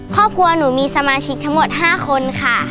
ครอบครัวหนูมีสมาชิกทั้งหมด๕คนค่ะ